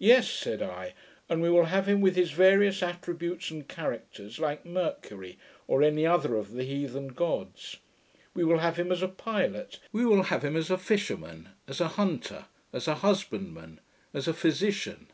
'Yes,' said I, 'and we will have him with his various attributes and characters, like Mercury, or any other of the heathen gods. We will have him as a pilot; we will have him as a fisherman, as a hunter, as a husbandman, as a physician.'